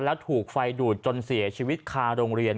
แล้วถูกไฟดูดจนเสียชีวิตคาโรงเรียน